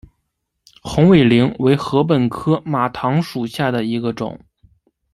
红尾翎为禾本科马唐属下的一个种。